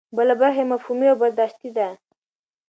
بله برخه یې مفهومي او برداشتي ده.